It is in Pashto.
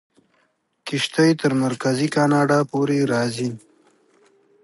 کښتۍ تر مرکزي کاناډا پورې راځي.